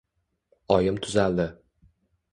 Oyim tuzaldi.